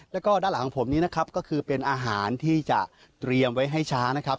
แล้วก็ด้านหลังของผมนี้นะครับก็คือเป็นอาหารที่จะเตรียมไว้ให้ช้านะครับ